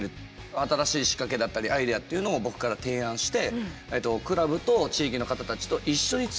新しい仕掛けだったりアイデアっていうのを僕から提案してクラブと地域の方たちと一緒に強くなろう町おこしをしようっていう。